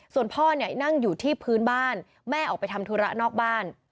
ส่วนพ่อเนี่ยนั่งอยู่ที่พื้นบ้านแม่ออกไปทำธุระนอกบ้าน